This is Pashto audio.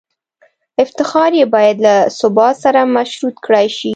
افتخار یې باید له ثبات سره مشروط کړای شي.